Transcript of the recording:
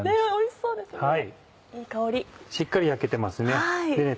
しっかり焼けてますね。